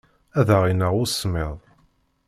Ad aɣ-ineɣ usemmiḍ.